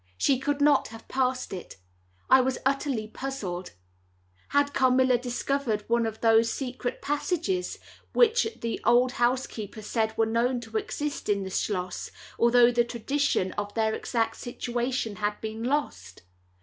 She could not have passed it. I was utterly puzzled. Had Carmilla discovered one of those secret passages which the old housekeeper said were known to exist in the schloss, although the tradition of their exact situation had been lost?